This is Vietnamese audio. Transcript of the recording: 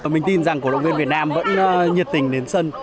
mình tin rằng cổ động viên việt nam vẫn nhiệt tình đến sân